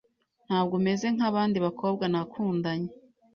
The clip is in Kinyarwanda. Ntabwo umeze nkabandi bakobwa nakundanye.